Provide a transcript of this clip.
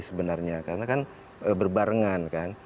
sebenarnya karena kan berbarengan